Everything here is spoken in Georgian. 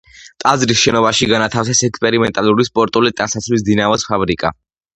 ტაძრის შენობაში განათავსეს ექსპერიმენტალური სპორტული ტანსაცმლის „დინამოს“ ფაბრიკა.